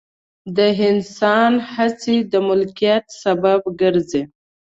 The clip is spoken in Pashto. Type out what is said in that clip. د انسان هڅې د مالکیت سبب ګرځي.